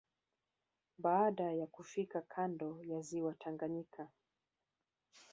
Baada ya kufika kando ya ziwa Tanganyika